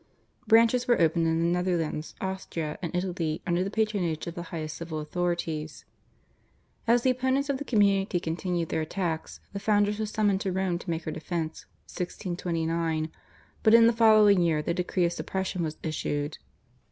Branches were opened in the Netherlands, Austria, and Italy under the patronage of the highest civil authorities. As the opponents of the community continued their attacks the foundress was summoned to Rome to make her defence (1629), but in the following year the decree of suppression was issued.